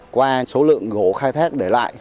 qua số lượng gỗ khai thác để lại